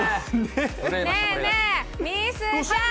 ねえねえ、みーすーちゃん。